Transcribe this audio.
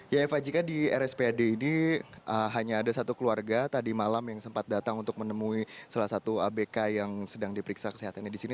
ya eva jika di rspad ini hanya ada satu keluarga tadi malam yang sempat datang untuk menemui salah satu abk yang sedang diperiksa kesehatannya di sini